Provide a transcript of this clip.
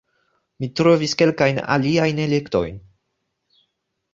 Mi trovis kelkajn aliajn elektojn